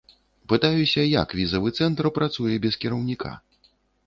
Пытаюся, як візавы цэнтр працуе без кіраўніка.